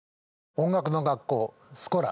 「音楽の学校スコラ」。